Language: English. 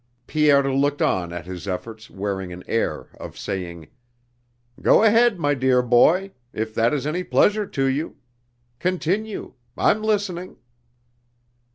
Pierre looked on at his efforts wearing an air of saying: "Go ahead, my dear boy! If that is any pleasure to you! Continue! I'm listening...."